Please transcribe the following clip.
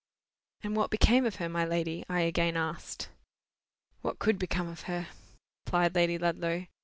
"And what became of her, my lady?" I again asked. "What could become of her?" replied Lady Ludlow.